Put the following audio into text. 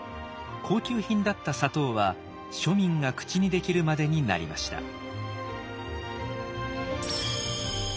高級品だった砂糖は庶民が口にできるまでになりました。